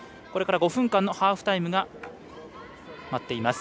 これから５分間のハーフタイム。